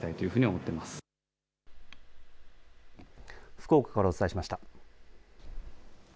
福岡からお伝えしました。